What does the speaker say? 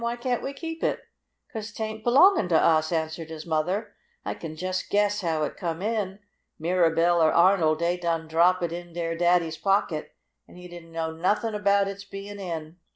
"Why can't we keep it?" "'Cause tain't belongin' to us," answered his mother. "I can jest guess how it come in. Mirabell or Arnold, dey done drop it in dere Daddy's pocket, an' he didn't know nothin' about its bein' in.